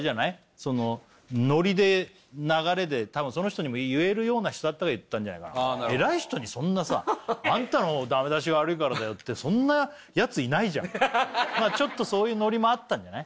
そのノリで流れで多分その人にも言えるような人だったから言ったんじゃないかな偉い人にそんなさあんたのダメ出しが悪いからだよってそんなヤツいないじゃんまあちょっとそういうノリもあったんじゃない